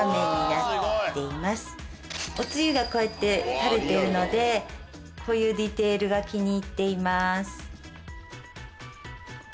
おつゆが垂れているのでこういうディテールが気に入っています。